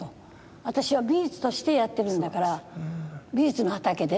私は美術としてやってるんだから美術の畑で。